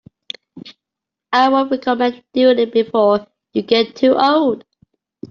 I would recommend doing it before you get too old.